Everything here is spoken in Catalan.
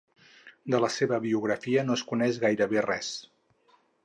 De la seva biografia no es coneix gairebé res.